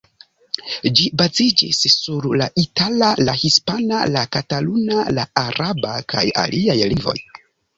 Ĝi baziĝis sur la itala, la hispana, la kataluna, la araba kaj aliaj lingvoj.